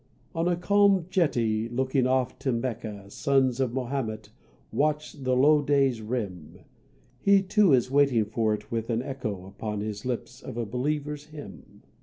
On a calm jetty looking off to Mecca Sons of Mahomet watch the low day's rim. He too is waiting for it with an echo Upon his lips of a believer's hymn.